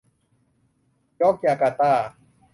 ยอร์คยาการ์ต้า